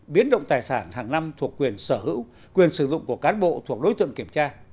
biến động tài sản hàng năm thuộc quyền sở hữu quyền sử dụng của cán bộ thuộc đối tượng kiểm tra